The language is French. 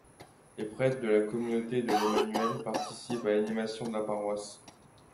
Les prêtres de la Communauté de l'Emmanuel participent à l’animation de la paroisse.